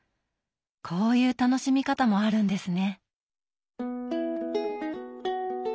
こういう楽しみ方もあるんですね。